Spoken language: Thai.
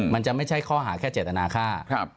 มันจะไม่ใช่ข้อหาแค่เจตนาค่า